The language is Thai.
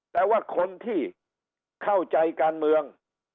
แต่ว่าคนที่เข้าใจการเมือง